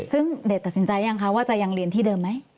ซึ่งเด็กตัดสินใจยังคะว่าจะยังเรียนที่เดิมไหม